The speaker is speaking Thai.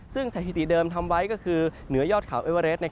ซึ่งสถิติเดิมทำไว้ก็คือเหนือยอดเขาเอเวอเรส